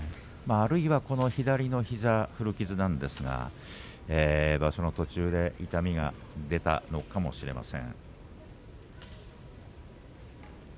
あるいは左の膝古傷なんですが場所の途中で痛みが出たのかもしれません。